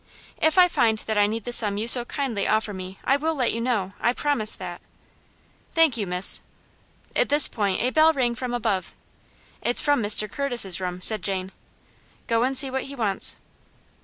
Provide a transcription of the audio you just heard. "If I find that I need the sum you so kindly offer me, I will let you know, I promise that." "Thank you, miss." At this point a bell rang from above. "It's from Mr. Curtis' room," said Jane. "Go and see what he wants."